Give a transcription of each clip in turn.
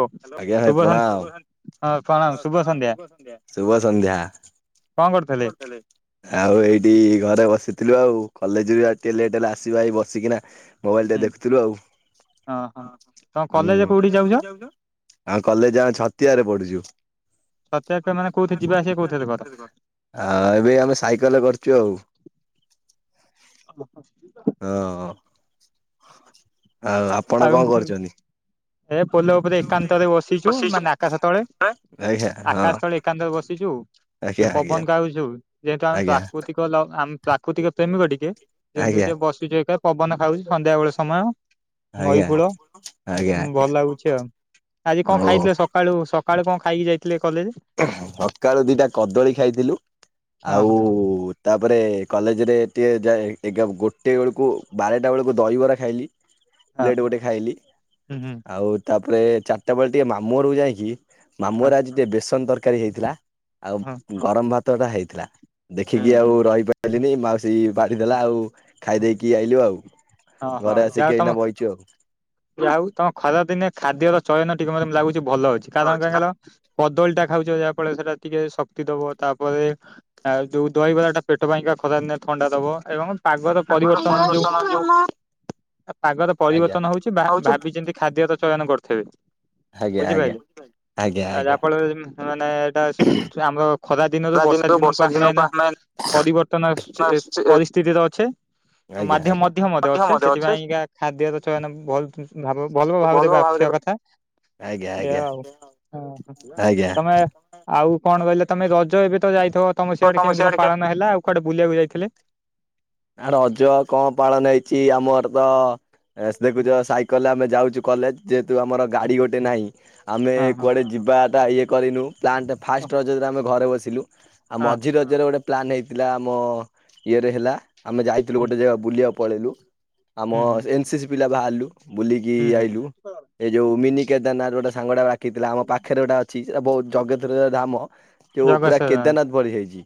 ଓ ଆଜ୍ଞା ଭାଇ [inaudible] ଶୁଭ ପ୍ରଣାମ ସନ୍ଧ୍ୟା ପ୍ରଣାମ ଶୁଭ ସନ୍ଧ୍ୟା ଶୁଭ ସଂନ୍ଧ୍ୟା। କଣ କରୁଥିଲେ? ଆଉ ଏଇଠି ଘରେ ବସିଥିଲୁ ଆଉ କଲେଜ ବି ଆଜି ଟିକେ ଲେଟ୍ ହେଲା ଆସିବା ଏଇ ବସିକିନା ମୋବାଇଲ ଟା ହୁଁ ଦେଖୁଥିଲୁ ଆଉ। ହଁ କଲେଜ କୋଉଠିକି ଯାଉଛ? ଆଉ କଲେଜ ଯା [unintelligible] ଛତିଆରେ ପଢ଼ୁଛୁ। ଛତିଆ ମାନ [unintelligible] କୋଉଥିରେ ଯିବାଆସିବା କୋଉଥିରେ କର? ଆ ଏବେ ଆମେ ସାଇକେଲ ରେ କରିଛୁ ଆଉ ହଛି [unintelligible] ହଁ ଆଉ ଆପଣ କଣ କରୁଛନ୍ତି? ଏ ପୋଲ ଉପରେ ଏକାନ୍ତରେ ବସିଛୁ ମାନେ ଆକାଶ ତଳେ ଆଜ୍ଞା ହଁ ଆକାଶ ତଳେ ଏକାନ୍ତରେ ବସିଛୁ। ଆଜ୍ଞା ଟିକେ ଆଜ୍ଞା ପବନ ଖାଉଛୁ। [unintelligible] ଯେହେତୁ ଆମେ ଆଜ୍ଞା ପ୍ରାକୃତିକ [unintelligible] ଆମ ପ୍ରାକୃତିକ ପ୍ରେମିକ ଟିକେ ଯେହେତୁ ଆଜ୍ଞା ଟିକେ ବସିଛୁଏକା ପବନ ଖାଉଛି। ସନ୍ଧ୍ୟା ବେଳ ସମୟ, ନଈ ଆଜ୍ଞା କୂଳ ଆଜ୍ଞା ଭଲ ଆଜ୍ଞା ଲାଗୁଛି ଆଉ ଆଜି କଣ ହଉ ଖାଇଥିଲେ? ସକାଳୁ ସକାଳୁ କଣ ଖାଇକି ଯାଇଥିଲେ କଲେଜ? [unintelligible] ସକାଳୁ ଦିଟା କଦଳୀ ଖାଇଥିଲୁ ହଁ ଆଉ ହଁ ତାପରେ କଲେଜରେ ଟିକିଏ ଏଗ [unintelligible] ଗୋଟିଏ ବେଳକୁ ବାରଟା ବେଳକୁ ଦହିବରା ଖାଇଲି। ହଁ ପ୍ଲେଟ୍ ଗୋଟେ ଖାଇଲି। ହୁଁ ହୁଁ ଆଉ ତାପରେ ଚାରିଟା ବେଳେ ଟିକେ ମାମୁଁ ଘରକୁ ଯାଇକି ମାମୁଁ ହଁ ଘରେ ଆଜି ଟିକେ ବେସନ ତରକାରୀ ହେଇଥିଲା। ଆଉ ହଁ ଗରମ ଭାତ ଟା ହେଇଥିଲା। ଦେଖିକି ଆଉ ରହିପାରିଲିନି ମାଉସି ବାଢିଦେଲା ଆଉ ଖାଇ ଦେଇକି ଆଇଲୁ ଆଉ। ଓଁ ହଉ ଯାହାଅ ତମ। କହିଛଉ। ଆଉ ତମ ଖରା ଦିନେ ଖାଦ୍ୟର ଚୟନ ଟିକେ ମତେ ଲାଗୁଛି ଭଲ ଅଛି କାରଣ କଣ କହିଲ। କଦଳୀଟା ଖାଉଛ ଯାହା ଫଳରେ ସେଟା ଟିକେ ଶକ୍ତି ଦବ ତାପରେ। ଆ ଯୋଉଁ ଦହିବରା ଟା ପେଟ ପାଇଁକା ଖଦାଦିନେ ଥଣ୍ଡା ଦବ ଏବଂ। ପାଗର ପରିବର୍ତ୍ତନ ଯୋଉଁ ପାଗର ଆଜ୍ଞା ପରିବର୍ତ୍ତନ ହଉଛି। ଭାବିଚିନ୍ତି ଖାଦ୍ୟ ର ଚୟନ କରୁଥିବେ। ଆଜ୍ଞା ଆଜ୍ଞା ବୁଝିପାରିଲେ ଆଜ୍ଞା ଯାହା ଆଜ୍ଞା। ଫଳରେ ମାନେ ଏଇଟା ଆମର। ଖରା ଦିନରୁ ବର୍ଷା ଦିନକୁ ଆମେ ଏଇନା ପରିବର୍ତ୍ତନ ପରିସ୍ଥିତିରେ ଅଛେ। ଆଜ୍ଞା ମା ଆଜ୍ଞା ମଧ୍ୟ ଅଛେ ସେଥିପାଇଁକାା ଖାଦ୍ୟ ତ ଛୁଆ ଭଲ ଭାବ ଭଲ ଭାବରେ ଦେବା ଛୁଆ କଥା। ଆଜ୍ଞା ଆଜ୍ଞା। ଓ ଆଜ୍ଞା ତମେ ଆଉ କଣ କହିଲେ ତମେ ରଜ ଏବେ ତ ଯାଇଥିବ। ତମେ ସେଆଡେ କେମତି କଣ ପାନ ହେଲା ଆଉୁଆଡେ ବୁିବାକୁ ଯାଇଥିଲେ। ଆ ରଜ କଣ ପାଳନ ହେଇଛି ଆମର ତ ଦେଖୁଛାଇ। କଲେ ଆମେ ଯାଉଛୁ କଲେଜ ଯେହେତୁ ଆମର ଗାଡ଼ି ଗୋଟେ ନାହିଁ ଆମେ ହଁ ହଁ କୁଆଡେ ଯିବାଟା ଇଏ। କରିନୁ ପ୍ଲାନ୍ଟା ଫାଷ୍ଟ ରଜରେ ଆମେ ଘରେ ବସିଲୁ ଆଉ ହଁ ମଝି ରଜ। ଗୋଟେ ପ୍ଲାନ୍ ହେଇଥିଲା ଆମ ଇଏରେ ହେଲା ଆମେ ଯାଇଥିଲୁ ହୁଁ ଗୋଟେ ଜାଗା ବୁଲିବାକୁ ପଳେଇଲୁ। ହୁଁ ଆମ ହୁଁ ଏନ୍ ସି ସି ପିଲା ବାହାରିଲୁ ବୁଲିକି ହୁଁ ହୁଁ ଆଇଲୁ। ଏଇ ଯୋଉ ମିନି କେଦାରନା ଗୋଟେ ସାଙ୍ଗଟା ଡାକିଥିଲା ଆମ ପାଖରେ ଗୋଟେ ଅଛି ସେଟ ବହୁ ଜଗତ ଧାମ ଯୋଉଁ ପୁରା ଜଗତସିଂହ କେଦାରନାଥ ଭଳି ହେଇଛି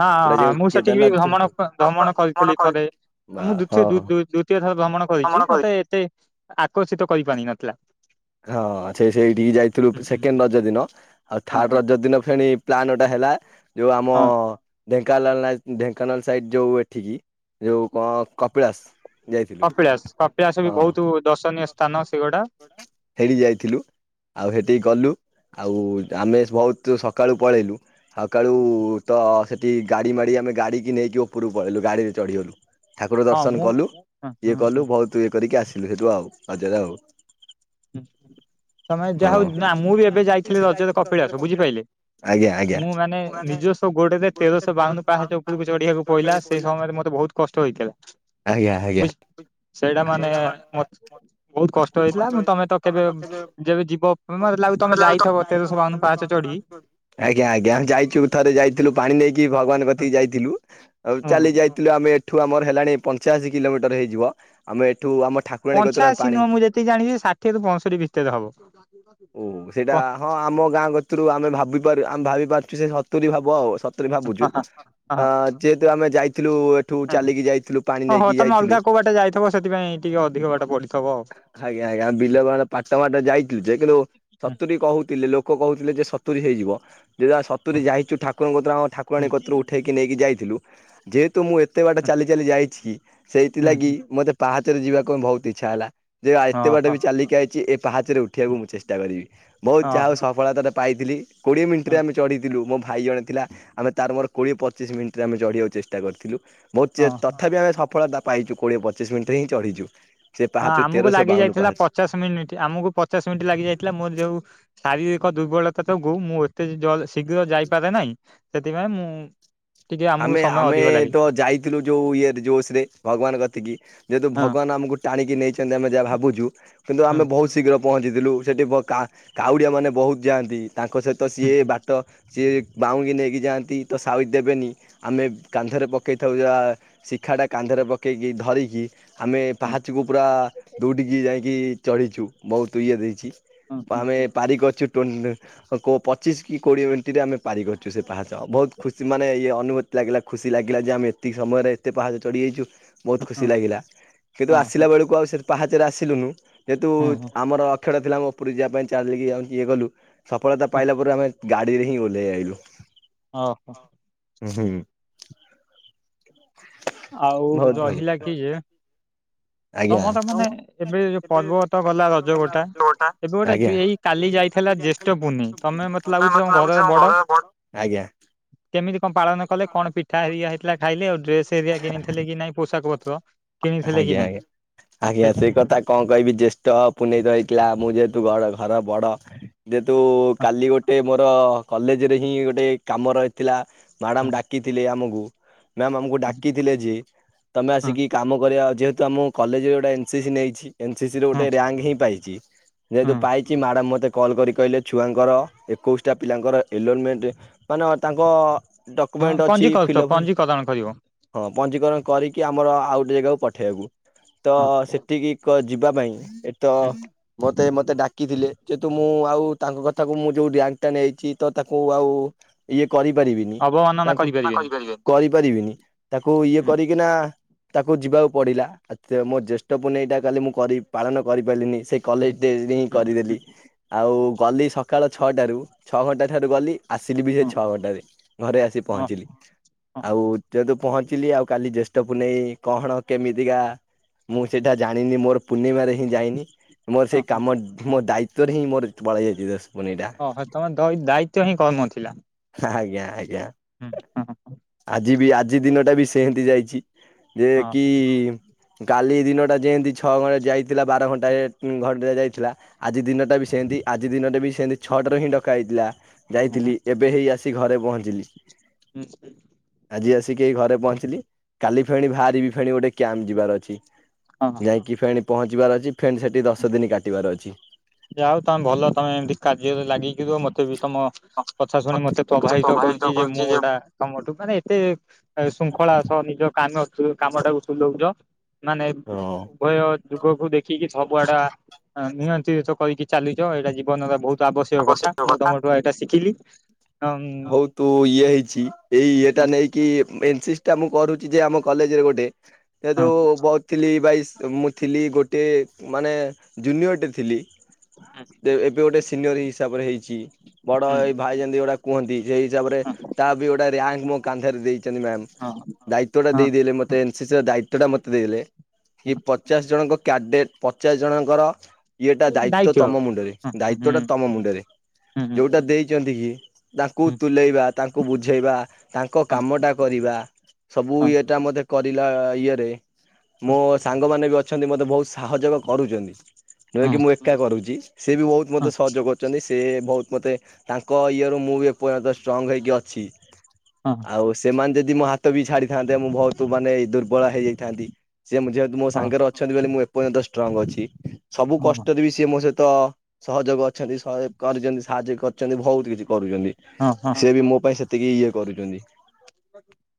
ହଁ ପୁରା ଯୋଉ କେଦାରନାଥ ଯ। ଥିଲ ଥରେ ମୁଁ ଦୀୟ ଦ୍ଵିତୀୟ ଥର ଭ୍ରମଣ କରିଛି ମତେ ଏତେ। ଆକର୍ଷିତ କରିପାର ନଥିଲା। ହଁ ସେ ସେଇଠିକି ଯାଇଥିଲୁ ହଁ ସେକେଣ୍ଡ ରଜ ଦିନ ଆଉ ଥାର୍ଡ ହଁ ରଜ ଦିନ ଫେଣି ପ୍ଲାନ ଗୋଟେ ହେଲା ଯୋଉ ଆମ। ହଁ ଢେଙ୍କାନାଳ ନ ଢେଙ୍କାନାଳ ସାଇଡ଼୍ ଯେଉଁ ଏଠିକି ଯେଉଁ କଣ କପିଳାସ। ଯାଇଥିଲୁ କପିଳାସ କପିଳାସ ବି ବହୁତ ଦର୍ଶନୀୟ ସ୍ଥାନ ସେଗୁଡା। ହେଡି ଯାଇଥିଲୁ ଆଉ ହେଠିକି କଲୁ। ଆଉ ଆମେ ବହୁତ ସକାଳୁ ପଳେଇଲୁ। ସକାଳୁ ତ ସେଠି ଗାଡ଼ି ମାଡ଼ି ଆମେ ଗାଡ଼ିକି ନେଇକି ଉପରକୁ ପଳେଇଲୁ ଗାଡ଼ିରେ ଚଢ଼ିଗଲୁ। ଠାକୁର ହଁ ଦର୍ଶନ ମୁଁ କଲୁ ହଁ ହଁ ଇଏ ହୁଁ କଲୁ ବହୁତ ଇଏ କରିକି ଆସିଲୁ ସେଠୁ ଆଉ ହଜରେ ଆଉ। ହଁ ତମେ ଯାହା ହଁ ହଉ ନା ମୁଁ ବି ଏବେ ଯାଇଥିଲି ରଜରେ କପିଳାସ ବୁଝିପାରିଲେ। ଆଜ୍ଞା ଆଜ୍ଞା ମୁଁ ମାନେ ନିଜସ୍ବ ଗୋଡରେ ତେରଶହ ବାଉନ ପାହାଞ୍ଚ ଉପକୁ ଚଢିବାକୁ ପଈଲା ସେଇ ସମୟରେ ମତେ ବହୁତ। କଷ୍ଟ ହେଇଥିଲା ଆଜ୍ଞା ଆଜ୍ଞା ବୁଝ ସେଇଟା ମାନେ ମତେ। ବହୁତ କଷ୍ଟ ହେଇଥିଲା ମୋତ। ତମେ ତ କେବେ ଯେବେ ଯିବ ମେ ଲାଗୁ ତମେ ଯାଇଥ ଏତେରଶାବାଉନ ପାଞ୍ଚ ଚଢି। ଆଜ୍ଞା ଆଜ୍ଞା ଯାଇଛୁ ଥରେ ଯାଇଥିଲୁ ପାଣି ନେଇକି ଭଗବାନ କଥକି ଯାଇଥିଲୁ ଆଉ ହୁଁ ହୁଁ ଚାଲି ଯାଇଥିଲ। ଆମେ ଏଠୁ ଆମର ହେଲାଣି ପଞ୍ଚାଅଶୀ କିଲୋମିଟର ହେଇଯ ଆମେ ଏଠ ଆମ ଠାକୁ। ପଞ୍ଚାଅଶୀ ନୁହଁ ମୁଁ ଯେତିକି ଜାଣିଛି ଷାଠିଏରୁ ପଞ୍ଚଷଠି ଭିତରେ ହବ। ଓ ସେଇଟା ହଁ ଆମ ଗାଁ ଗତରୁ ଆମେ ଭାବିାରୁ ଆମେ ଭାବି ପାରୁଛୁ ସେ ସତୁରିୀ ହବ ଆଉ। ଭାବୁଛୁ ଯେହେତୁ ଆମେ ଯାଇଥିଲୁ। ଏଠୁ ଉୁ ହ ଚାଲିକି ଯାଇଥିଲୁ ପାଣି ଓହୋ ନେଇକି ତମେ ଯାଇଥିଲୁ। ଅଲଗା କୋଉଁ ବାଟେ ଯାଇଥିବ ସେଥିପାଇଁ ଟିକେ ଅଧିକ ବାଟ ପଢଥିବ ଆଉ। ଆଜ୍ଞା ଆଜ୍ଞା ବିଲବାଳ ପାଟ ମାଟ ଯାଇଥିଲୁ ଯେ କିନ୍ତୁ। ହୁଁ ସତୁୁରୀ କହୁଥିଲେ ଲୋକ କହୁଥିଲେ ଯେ ସତୁୁରୀ ହେଇଯିବ ହୁଁ [unintelligible] ଯାଇଛୁ ଠାକୁରଙ୍କ କତ୍ର ଆମ ଠାକୁରାଣୀ ହୁଁ କତ୍ର ଉଠେଇକି ନେଇକି ଯାଇଥିଲୁ ଯେହେତୁ ମୁଁ ଏତେ ବାଟ ଚାଲି ଚାଲି ଯାଇଛି କି ହୁଁ ସେଇଥିଲାଗି ହୁଁ ମୋତେ ପାହାଚରେ ଯିବାକୁ ପାଇଁ ବହୁତ ଇଚ୍ଛା ହେଲା ଯେ ଆ ହଁ ଏତେ ବାଟ ହଁ ବି ଚାଲିକି ଆଇଛି ଏ ପାହାଚରେ ଉଠିବାକୁ ମୁଁ ଚେଷ୍ଟା କରିବି ବହୁତ ହଁ ଯାହା ହଉ ସ ପଳା ତାଟ ପାଇଥିଲି କୋଡ଼ିଏ ହଁ ମିନିଟରେ ଆମେ ଚଢ଼ିଥିଲୁ ମୋ ଭାଇ ଜଣେ ଥିଲା ଆମେ ତାର ମୋର କୋଡ଼ିଏ ପଚିଶ ମିନିଟରେ ଆମେ ଚଢ଼ିବାକୁ ଚେଷ୍ଟା କରିଥିଲୁ ମ ଚେ ହଁ। ତଥାପି ଆମେ ସଫଳତା ପାଇଛୁ କୋଡ଼ିଏ ପଚିଶ ମିନିଟ ରେ ଚଢ଼ିଛୁ ସେ ହଁ ପାହାଚ ଆମକୁ ତେରଶହ ଲାଗି ବାଉନ ଯାଇଥିଲା ପାହାଚ ପଚାଶ ମିନିଟ୍ ଆମକୁ ପଚାଶ ମିନିଟ୍ ଲାଗି ଯାଇଥିଲା ମୋର ଯୋଉ ଶାରୀରିକ ଦୁର୍ବଳତା ଯୋଗୁ ମୁଁ ଏତେ ଜ ଶୀଘ୍ର ଯାଇପାରେ ନାହିଁ ସେଥିପାଇଁ ମୁଁ ଟିକେ ଆମକୁ ଆମେ ସମୟ ଆମେ ଅଧିକ ଲାଗେ ତ ଯାଇଥିଲୁ ଯୋଉ ଇଏ ଜୋସ ରେ ଭଗବାନ କତିକି ଯେହେତୁ ହଁ ଭଗବାନ ଆମକୁ ଟାଣିକି ନେଇଛନ୍ତି ଆମେ ଯାହା ଭାବୁଛୁ କିନ୍ତୁ ହଁ ଆମେ ବହୁତ ଶୀଘ୍ର ପହଞ୍ଚିଥିଲୁ ସେଠି ବ କା କାଉଡ଼ିଆ ମାନେ ବହୁତ ଯାଆନ୍ତି ତାଙ୍କ ସହିତ ସିଏ ହଁ। ବାଟ ସିଏ ବାଉଁଙ୍କି ନେଇକି ଯାଆନ୍ତି ତ ସାଉ ଦେବେନି ଆମେ କାନ୍ଧରେ ପକାଇଥାଉ ଯାହା ଶିଖାଟା କାନ୍ଧରେ ପକାଇକି ଧରିକି ଆମେ ପାହାଚକୁ ପୁରା ଦୌଡ଼ିକି ଯାଇକି ଚଢ଼ିଛୁ ବହୁତ ଇଏ ଦେଇଛି ହଁ ହଁ ଆମେ ହଁ ପାରିିକି ଅଛୁ ପଚିଶ କି କୋଡିଏ ମିନିଟରେ ଆମେ ପାରି କରିଛୁ ସେ ପାହାଚ ବହୁତ ଖୁସି ମାନେ ଅନୁମତି ଲାଗିଲା ଖୁସି ଲାଗିଲା ଯେ ଆମେ ଏତିକି ସମୟରେ ଏତେ ପାହାଚ ଚଢିଯାଇଛୁ ହଁ ବହୁତ ହଁ ଖୁସି ଲାଗିଲା କିନ୍ତୁ ଆସିଲା ହଁ ବେଳକୁ ଆଉ ସେ ପାହାଚରେ ଆସିଲୁନୁ ଯେହେତୁ ହଁ ହଁ ଆମର ଶଫର ଥିଲା ଆମ ଉପୁରୀ ଯିବା ପାଇଁ ଚାଲିକି ଆଉ ଇଏ କଲୁ ସଫଳତା ହଁ। ପାଇଲା ପରେ ଆମେ ଗାଡ଼ିରେ ହିଁ ଓଲାଇ ଆଇଲୁ ହଁ ଆଉ ହଁ ହୁଁ ବହୁତ ରହିଲା କି ଭଲ ଯେ ଆଜ୍ଞା ତମର ମାନେ ଆଜ୍ଞା ଏବେ ଯୋଉ ତମେ ପର୍ବ ତ ଗଲା ରଜ ଗୋଟା ଏବେ ଗୋଟେ ଏଇ କାଲି ଯାଇଥିଲା ଜ୍ୟେଷ୍ଠ ପୂର୍ଣ୍ଣି ତମେ ଲାଗୁଛି ତମ ମତେ ଲାଗୁଛ ଘରର ଆମ ଘର ବଡ ଆଜ୍ଞା କେମିତି କଣ୍ ପାଳନ କଲେ କଣ୍ ପିଠା ଏରିଆ ହେଇଥିଲା ଖାଇଲେ ଆଉ ଡ୍ରେସ ଏରିଆ କିଣିଥିଲେ କି ନାଇଁ ପୋଷାକ ପତ୍ର କିଣିଥିଲେ କି ଆଜ୍ଞା ନାଇଁ ଆଜ୍ଞା ଆଜ୍ଞା ସେଇଟା ସେଇ କଥା କଣ୍ କହିବି ଜ୍ୟେଷ୍ଠ ପୁନେଇ ରହିଥିଲା ମୁଁ ଯେହେତୁ ଘଡ ଘର ବଡ ଯେହେତୁ ହଁ କାଲି ଗୋଟିଏମୋର କଲେଜରେ ହିଁ ଗୋଟିଏକାମ ରହିଥିଲା ହଁ ମାଡ଼ାମ ଡା କି ଥିଲି ଆମକୁ ମାମ୍ ଆମକୁ ଡାକିଥିଲେ ଯେ ତମେ ହଁ ଆସିକି କାମ ଯେହେତୁ ଆମ କଲେଜରେ ଗୋଟିଏ ଏନ୍ ସି ସି ନେଇଛି ଏନସି ସି ରେ ହଁ ଗୋଟିଏ ରିଆଙ୍କ ହିଁ ପାଇଛି ଯେହେତୁ ହଁ ପାଇଛି ମ୍ୟାଡ଼ାମ ମୋତେ କଲ୍ କରି କହିଲେ ଛୁଆଙ୍କର ଏକୋଇଶଟା ପିଲାଙ୍କର ଏଲୋନମେଣ୍ଟ ମାନେ ଅ ତାଙ୍କ ଡକ୍ୟୁମେଣ୍ଟ ହଁ ଅଛି ପଞ୍ଜୀକୃତ ଫିଲ୍ଅପ୍ ହୋଇନି ପଞ୍ଜୀକରଣ କରିବ ହଁ ପଞ୍ଜୀକରଣ କରିକି ଆମର ଆଉ ଗୋଟିଏଜାଗାକୁ ପଠେଇବାକୁ ତ ହଁ। ସେଠ ଟିକି କ ଯିବା ପାଇଁ ଏ ତ ହୁଁ ମତେ ମତେ ଡାକିଥିଲେ ଯେହେତୁ ମୁଁ ଆଉ ତାଙ୍କ କଥାକୁ ମୁଁ ଯୋଉ ର୍ୟାଙ୍କ ଟା ନେଇଛି ତ ତାଙ୍କୁ ଆଉ ଇଏ କରିପାରିବିନି ତାଙ୍କୁ କରିପାରିବେନି କରିପାରିବିନି ତାକୁ ଇଏ ହୁଁ କରିକିନା ତାକୁ ଯିବାକୁ ପଡିଲା ଏ ତ ମୋ ଜ୍ୟେଷ୍ଠ ପୁଣ୍ୟ ଏଇଟା କାଲି ମୁଁ କରି ପାଳନ କରିପାରିଲିନି ସେ କଲେଜ ଡେ ହିଁ ହୁଁ ହୁଁ କରିଦେଲି ଆଉ ଗଲି ସକାଳ ଛଅଟାରୁ ଛଅ ଘଣ୍ଟା ଠାରୁ ଗଲି ଆସିଲି ବି ସେ ହଁ ଛଅ ଘଣ୍ଟାରେ ଘରେ ଆସି ହଁ ପହଞ୍ଚିଲି ହଁ ଆଉ ତ ତୁ ପହଞ୍ଚିଲି ଆଉ କାଲି ଜ୍ୟେଷ୍ଠକୁୁ ନେଇ କଣ୍ କେମିତିକା ମୁଁ ସେଇଟା ଜାଣିନି ମୋର ପୁନିମା ରେ ହିଁ ଯାଇନି ମୋର ହଁ ସେଇ ହଁ। କାମ ମୋ ଦାୟିତ୍ୱରେ ହିଁ ମୋର ପଳା ଯାଇଛି ଦଶକଟି ଏଇଟା ଓହ ତମେ ଦ ଦାୟିତ୍ୱ ହିଁ କର୍ମ ଥିଲା ଆଜ୍ଞା ଆଜ୍ଞା ହୁଁ ହଁ ଆଜି ବି ଆଜି ଦିନ ଟା ବି ସେମତି ଯାଇଛି ଯେ କି କାଲି ଦିନଟା ଯେମିତି ଛଅ ଘଣ୍ଟାରେ ଯାଇଥିଲା ବାର ଘଣ୍ଟାରେ ଘଣ୍ଟାରେ ଯାଇଥିଲା। ଆଜି ଦିନଟା ବି ସେମିତି ଆଜି ଦିନଟା ବି ସେମତି ଛଅଟାରୁ ହିଁ ଡକା ହେଇଥିଲା। ହଁ ହଁ ଯାଇଥିଲି ଏବେ ହେଇ ଆସି ଘରେ ପହଞ୍ଚିଲି। ହୁଁ ହୁଁ। ଆଜି ଆସିକି ହେଇ ଘରେ ପହଞ୍ଚିଲି କାଲି ଫେଣି ବାହାରିବି ଫେଣି ଗୋଟାଏ କ୍ୟାମ୍ପ ଯିବାର ଅଛି। ହଁ। ଯାଇକି ଫେଣି ପହଞ୍ଚିବାର ଅଛି ଫେଣି ସେଠି ଦଶ ଦିନ କାଟିବାର ଅଛି। ଯାହା ହୋଉ ତମେ ଭଲ ତମେ ଏମତି କାର୍ଯ୍ୟରେ ଲାଗେଇକି ଯିବ ମତେ ବି ତମ କଥା ଶୁଣି ମତେ ପ୍ରବାହିତ କରୁଛି ଯେ ମୁଁ ଗୋଟା ତମଠୁ ମାନେ ଏତେ ଶୃଙ୍ଖଳା ସହ ନିଜ କାମ କାମ ଟାକୁ ତୁଲାଉଛ। ମାନେ ହଁ। ଉଭୟ ଯୁଗକୁ ଦେଖିକି ସବୁଆଡେ ନିୟନ୍ତ୍ରିତ। କହିିକି ଚାଲିଛ ଏଇଟା ଜୀବନର ବହୁତ ଆବଶ୍ୟକ କଥା ମୁଁ ତମଠୁ ଏଇଟା ଶିଖିଲି। ହଁ ହଉ ତୁ ଇଏ ହେଇଛି ଏଇ ଇଏଟା ନେଇକି ମେନ ଟା ମୁଁ କରୁଛି ଯେ ଆମ କଲେଜରେ ଗୋଟାଏ ସେ ଯୋଉ ହଁ ଯେହେତୁ ବହୁ ଥିଲି ବାଇସ ମୁଁ ଥିଲି ଗୋଟିଏ ମାନେ ଜୁନିଅରଟେ ଥିଲି। ଏବେ ଗୋଟିଏ ସିନିୟର ହିସାବରେ ହେଇଛି ବଡ ହଁ ଏଇ ଭାଇ ଯେମିତି ଗୋଟିଏ କୁହନ୍ତି ସେଇ ହିସାବରେ ତା ବି ଗୋଟିଏ ରଙ୍କ ମୋ କାନ୍ଧରେ ଦେଇଛନ୍ତି ମ୍ୟାମ। ହଁ। ଦାୟିତ୍ଵ ଟା ହଁ ଦେଇଦଲେ ମତେ ଏନ୍ସି ସି ର ଦାୟିତ୍ଵ ଟା ମତେ ଦେଇଦଲେ କି ପଚାଶ ଜଣଙ୍କ କ୍ୟାଡେଟ୍ ପଚାଶ ଜଣଙ୍କର ଇଏଟା ଦାୟିତ୍ଵ ଟା ଦାୟିତ୍ୱ ହୁଁ ତମ ମୁଣ୍ଡରେ ହୁଁ ଦାୟିତ୍ଵ ଟା ତମ ମୁଣ୍ଡରେ ହୁଁ ଯୋଉଟା ଦେଇ ତା ତୁଲ ତାକୁ ହୁଁ ତୁଲେଇବା ତାଙ୍କୁ ବୁଝେଇବା ତାଙ୍କ ହଁ କାମଟା କରିବା ସବୁ ଇଏ ଟା ମତେ କରିଲା ଇଏରେ ହଁ ମୋ ସାଙ୍ଗ ମାନେ ବି ଅ ଅଛନ୍ତି ମୋତେ ବହୁତ ସହଯୋଗ କରୁଛନ୍ତି ହଁ ଯେକି ମୁଁ ଏକା କରୁଛି ସିଏ ବି ବହୁତ ହଁ ମୋତେ ସହଯୋଗ ସେ ବହୁତ ମତେ ତାଙ୍କ ଇଏରୁୁ ମୁଁ ବି ଏପର୍ଯ୍ୟନ୍ତ ଷ୍ଟ୍ରଙ୍ଗ ହେଇକି ଅଛି। ହଁ। ଆଉ ସେମାନେ ଯଦି ମୋ ହାତ ବି ଛାଡ଼ିଥାନ୍ତେ ମୁଁ ବହୁତ ମାନେ ଦୁର୍ବଳ ହେଇଯାଇଥାନ୍ତି ସେ ମୋ ହଁ ସାଙ୍ଗରେ ଅଛନ୍ତି ବୋଲି ମୁଁ ଏପର୍ଯ୍ୟନ୍ତ ଷ୍ଟ୍ରଙ୍ଗ ଅଛି ସବୁ ହଁ କଷ୍ଟରେ ବି ସିଏ ମୋ ସହିତ ସହଯୋଗ ଅଛନ୍ତି ସହଯୋଗ କରିଛନ୍ତି ସାହାଯ୍ୟ କରିଛନ୍ତି ବହୁତ କିଛି କରୁଛନ୍ତି। ହଁ ହଁ। ସେ ବି ମୋ ପାଇଁ ସେତିକି ଇଏ କରୁଛନ୍ତି।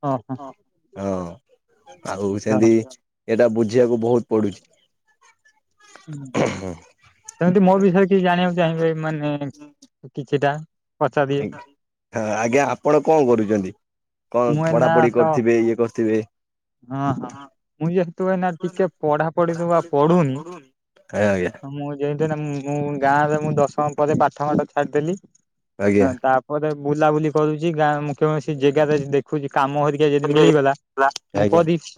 ଓହୋ ହଁ ଆଉ ଯା ସେମିତି ଏଇଟା ବୁଝିବାକୁ ବହୁତ ପଡୁଛି। ହୁଁ ସେମିତି ମୋ ବିଷୟରେ କିଛି ଜାଣିବାକୁ ଚାହିଁବେ ମାନେ କିଛିଟା। ପଚାରିବେ ଆଜ୍ଞା ହଁ ଆଜ୍ଞା ଆପଣ କଣ କରୁଛନ୍ତି। କଣ ମୁଁ ପଢା ଏଇନା ପଢି ତ କରିୁଥିବେ ଇଏ କରିଥିବେ। ହଁ ହଁ ମୁଁ ଯେହେତୁ ଭାଇ ଏଇନା ଟିକେ ପଢା ପଢି ଜମା ପଢୁନି। ହଉ ଆଜ୍ଞା। ଯେମିତି ନା ମୁ ମୁଁ ଗାଁରେ ମୁଁ ଦଶମ ପରେ ପାଠ ମାଠ ଛାଡିଦେଲି ଆଜ୍ଞା ତା ଗୋଟେ ବୁଲାବୁଲି କରୁଛି ଗାଁ ମୁଁ କୌଣସି ଜାଗାରେ ଦେଖୁଛି କାମ ହରିକି ଯଦି ମିଳିଗଲା। ମୁଁ ଆଜ୍ଞା କରିଛି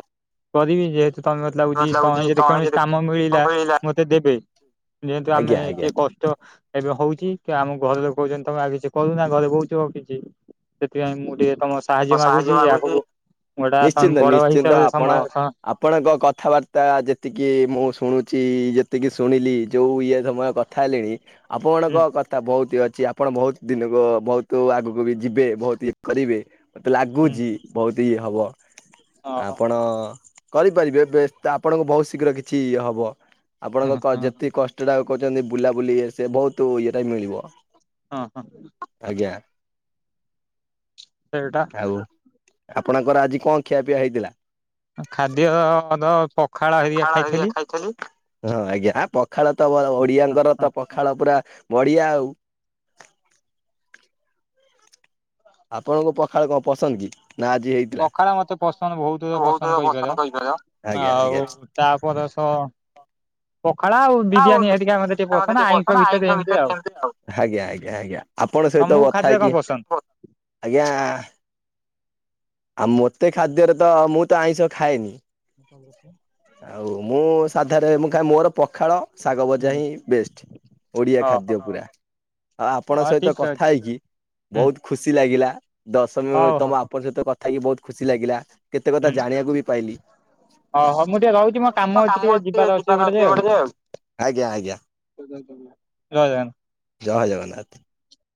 କରିମି ଯେହ ତମେ ମତେ ଲାଗୁଛି ତମେ ଯଦି କୌଣସି କାମ ମିଳିଲା ମତେ ଦେବେ। ଯେହେତୁ ଆମେ ଆଜ୍ଞା ଏ ଯେ ଆଜ୍ଞା କଷ୍ଟ ଏବେ ହଉଛି କି ଆମ ଘରେ କହୁଛନ୍ତି ତମେ ଆଉ କିଛି କରୁନା ଘରେ କହୁଛ ଆଉ କିଛି ସେଥିପାଇଁ ମୁଁ ଟିକେ ତମ ସାହାଯ୍ୟ ମାଗୁଛି ଆଗକୁ ଗୋଟା ତୋମ ନିଶ୍ଚିନ୍ତ ବଡାଭାଇ ନିଶ୍ଚିନ୍ତ ହିସାବରେ ଆପଣ ସମୟ ସ ଆପଣଙ୍କ କଥାବାର୍ତ୍ତା ଯେତିକି ମୁଁ ଶୁଣୁଛି, ଯେତିକି ଶୁଣିଲି ଯୋଉ ଇଏ ସମୟ କ ଥା ଲେଣି ହୁଁ ଆପଣଙ୍କ କଥା ବହୁତି ଅଛି, ଆ ଆପଣ ବହୁତ ଦିନକ, ବହୁତୁ ଆଗକୁ ବି ଯିବେ। ବହୁତ ଇଏ କରିବେ। ମୋତେ ହୁଁ ଲାଗୁଚି ବହୁତ ଇଏ ହବ। ଓହୋ ଆପଣ କରିପାରିବେ ବେସ୍ ତ ଆପଣଙ୍କୁ ବହୁତ ଶୀଘ୍ର କିଛି ଇଏ ହବ। ଆପଣଙ୍କ ହଁ ହଁ କ-ଯେତିକି କଷ୍ଟଟା ଆଉ କହୁଛନ୍ତି ବୁଲାବୁଲି ଇଏ ସିଏ ବହୁତୁ ଇଏଟା ମିଳିବ। ହଁ, ହଁ। ଆଜ୍ଞା। ସେଇଟା ଆଉ ଆପଣଙ୍କର ଆଜି କଣ ଖିଆପିଆ ହେଇଥିଲା? ଓ ଖାଦ୍ୟ ର ପଖାଳ ହେଇ ଖାଳ ଏଇଆ ଖାଇଥିଲି। ଖାଳ ପୁରା ବଢିଆ ଆଉ। ଆପଣଙ୍କୁ ପଖାଳ କଣ ପସନ୍ଦ କି? ନା ଆଜି ହେଇ ପଖାଳ ମୋତେ ପସନ୍ଦ ବହୁତୁ ପସନ୍ଦ କହିପାରିବ। ଆଜ୍ଞା ଆଉ ତାପରେ ସଅ [inaudible] ଆଉ [unintelligible] ହେରିକା ମତେ ଟିକେ ନିହାତି ପସନ୍ଦ [unintelligible] ଆଇଁଷ ଏମିତି ଭିତରେ ଆଉ ଯେମିତି ଆଉ। ଆପଣ ସହିତ ତମକୁ କଥା ଖାଦ୍ୟ କଣ ହେଇକି ପସନ୍ଦ? ଆଜ୍ଞା ଆଉ ମୋତେ ଖାଦ୍ୟରେ ତ ମୁଁ ତ ଆଇଁଷ ଖାଏନି। ମୁଁ କଲ୍ ଆଉ ମୁଁ କରିଚି। ସାଧାରେ ମୁଁ ଖାଏ ମୋର ପଖାଳ ଶାଗ ଭଜା ହିଁ ବେଷ୍ଟ। ଓଡ଼ିଆ ଓହୋ ଖାଦ୍ୟ ପୁରା। ଆଉ ଆପଣଙ୍କ ହଁ ସହିତ ଠିକ ଅଛି କଥା ହେଇକି ହୁଁ ବହୁତ ଖୁସି ଲାଗିଲା ଦଶ ମି ହଉ ହଉ ତୋମ ଆପଣଙ୍କ ସହିତ କଥା ହେଇକି ବହୁତ ଖୁସି ଲାଗିଲା। କେତେ କଥା ଜାଣିବାକୁ ବି ପାଇଲି। ଓହୋ, ମୁଁ ଟିକେ ରହୁଚି ମୋ କାମ ଅଛି ଟିକେ ଯିବାର ଅଛି ଗୋଟେ ଜାଗା କୁ। ଆଜ୍ଞା ଆଜ୍ଞା ଜୟ ଜଗନ୍ନା ଜୟ ଜଗନ୍ନାଥ।